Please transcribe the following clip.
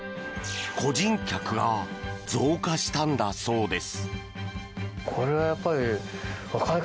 個人客が増加したんだそうです。